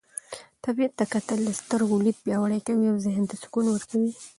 طبیعت ته کتل د سترګو لید پیاوړی کوي او ذهن ته سکون ورکوي.